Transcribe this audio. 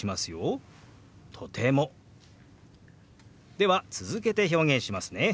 では続けて表現しますね。